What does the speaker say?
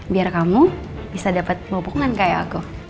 biar kamu bisa dapat bopongan kayak aku